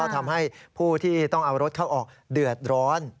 ทำให้ผู้ที่ต้องเอารถเข้าออกเดือดร้อน